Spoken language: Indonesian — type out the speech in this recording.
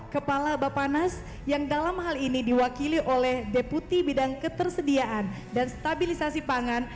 kepala bapak nas yang dalam hal ini diwakili oleh deputi bidang ketersediaan dan stabilisasi pangan